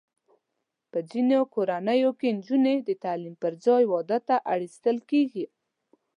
په ځینو کورنیو کې نجونې د تعلیم پر ځای واده ته اړ ایستل کېږي.